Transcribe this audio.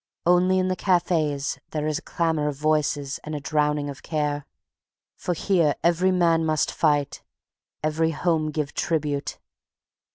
Only in the cafes there is a clamor of voices and a drowning of care. For here every man must fight, every home give tribute.